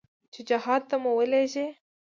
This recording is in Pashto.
چې جهاد ته مو ولېږي.